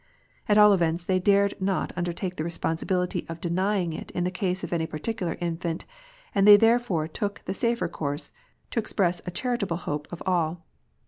At all events jhey dared notjundertake the responsibility of deny ing it In tEe case^prany particufar infant and they therefore took the", safer course, to express a charitable hope of all.